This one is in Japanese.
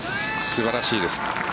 素晴らしいです。